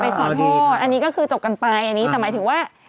ใช่ไปขอโทษอันนี้ก็คือจบกันไปแต่หมายถึงว่า